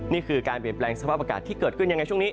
นี่คือการเปลี่ยนแปลงสภาพอากาศที่เกิดขึ้นยังไงช่วงนี้